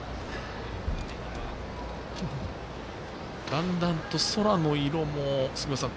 だんだんと空の色も杉本さん